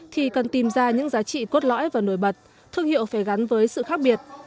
thì cần tìm ra những giá trị cốt lõi và nổi bật thương hiệu phải gắn với sự khác biệt